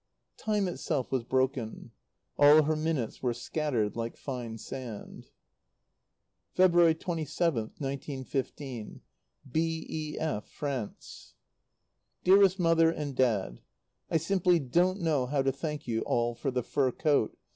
Time itself was broken. All her minutes were scattered like fine sand. February 27th, 1915. B.E.F., FRANCE. Dearest Mother and Dad, I simply don't know how to thank you all for the fur coat.